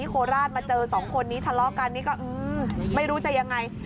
โคราชมาเจอสองคนนี้ทะเลาะกันนี่ก็ไม่รู้จะยังไง